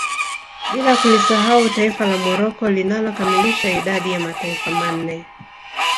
Bila kulisahau taifa la Morocco linalo kamilisha idadi ya mataifa manne